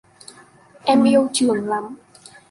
Em yêu trường lắm